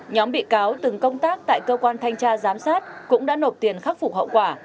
nhóm bị cáo từng công tác tại cơ quan thanh tra giám sát cũng đã nộp tiền khắc phục hậu quả